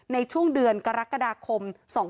ในช่วงเดือนกรกฎาคม๒๕๖๒